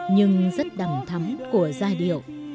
nhưng rất đầm thắm của giai điệu